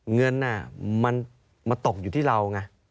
เงินมันตกอยู่ที่เรา